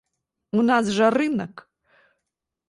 У нас жа рынак!